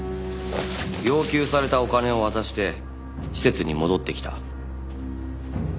要求されたお金を渡して施設に戻ってきた。